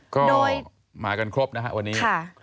ก็มากันครบนะครับวันนี้